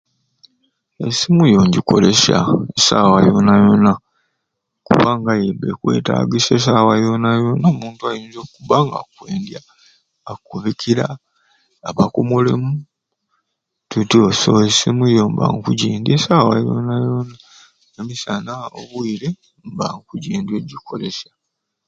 Essimu yo ngikolesya esaawa yoona yoona kubanga yo ekwetagisisa esaawa yoona yoona omuntu asobola okubba nga akkwendya akkubikira aba kumulimu kituufu yo essimu obba okugyendya esaawa yoona yoona emisana obwiire mba nkugyendya okugikolesya.